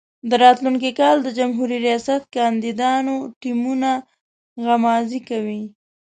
د راتلونکي کال د جمهوري ریاست کاندیدانو ټیمونه غمازي کوي.